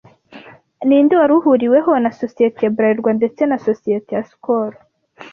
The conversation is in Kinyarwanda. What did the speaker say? Ninde wari uhuriweho na societe ya bralirwa ndetse na societe ya skol